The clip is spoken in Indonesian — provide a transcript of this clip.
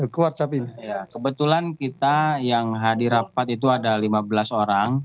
kebetulan kita yang hadir rapat itu ada lima belas orang